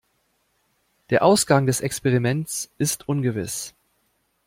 Der Ausgang des Experiments ist ungewiss.